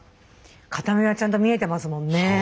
片目はちゃんと見えてますもんね。